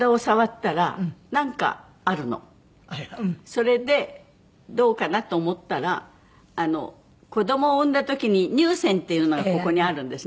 それでどうかなと思ったら子どもを産んだ時に乳腺っていうのがここにあるんですね。